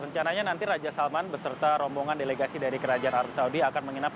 rencananya nanti raja salman beserta rombongan delegasi dari kerajaan arab saudi akan menginap